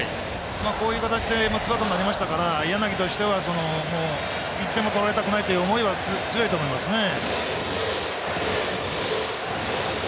こういう形でツーアウトになりましたから柳としては１点も取られたくないという思いは強いと思いますね。